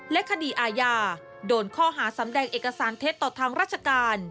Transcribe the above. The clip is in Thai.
และคดีอาญาโดนข้อหาสำแดงเอกสารเท็จต่อทางราชการ